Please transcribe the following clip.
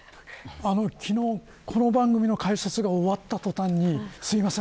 昨日、この番組の解説が終わった途端にすいません